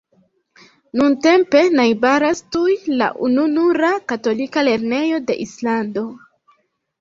Nuntempe najbaras tuj la ununura katolika lernejo de Islando.